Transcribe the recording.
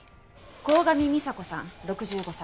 鴻上美沙子さん６５歳。